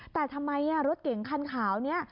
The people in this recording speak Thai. แต่ทำไมรถเก่งคันขาวนี้